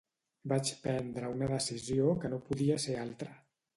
Vaig prendre una decisió que no podia ser altra.